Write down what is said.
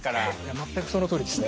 全くそのとおりですね。